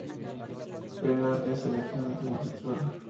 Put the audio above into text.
Brennan es abiertamente homosexual.